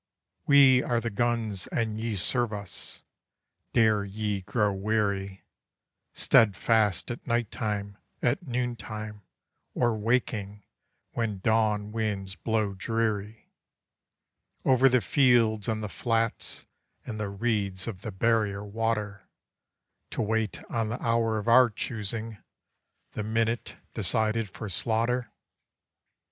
We are the guns and ye serve us! Dare ye grow weary, Steadfast at nighttime, at noontime; or waking, when dawn winds blow dreary Over the fields and the flats and the reeds of the barrier water, To wait on the hour of our choosing, the minute decided for slaughter?